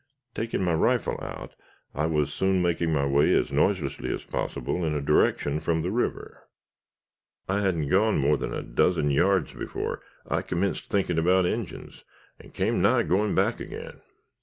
Taking my rifle out, I was soon making my way as noiselessly as possible, in a direction from the river. "I hadn't gone more than a dozen yards before I commenced thinking about Injins, and came nigh going back again.